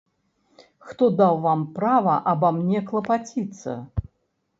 Хто даў вам права аба мне клапаціцца?